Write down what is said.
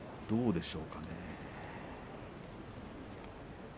どうでしょうかね。